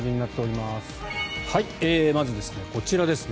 まず、こちらですね。